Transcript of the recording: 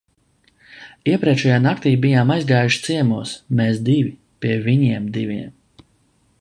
Iepriekšējā naktī bijām aizgājuši ciemos, mēs divi, pie viņiem diviem.